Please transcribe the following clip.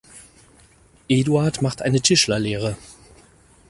Eduard machte eine Tischlerlehre.